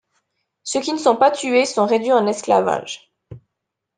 Ce qui ne sont pas tués sont réduits en esclavage.